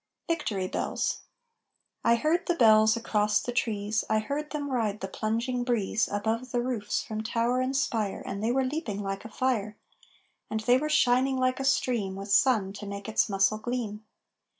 VICTORY BELLS I heard the bells across the trees, I heard them ride the plunging breeze Above the roofs from tower and spire, And they were leaping like a fire, And they were shining like a stream With sun to make its music gleam.